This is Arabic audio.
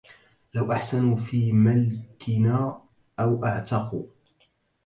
لو أحسنوا في ملكنا أو أعتقوا